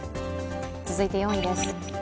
続いて４位です。